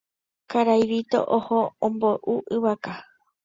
Karai Vito oho omboy'u ivaka.